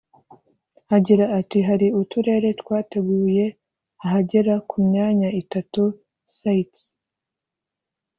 Agira ati “Hari uturere twateguye ahagera ku myanya itatu (Sites)